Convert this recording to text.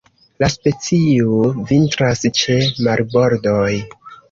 La specio vintras ĉe marbordoj.